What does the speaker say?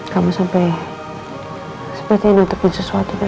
kamu sampai sepertinya sesuatu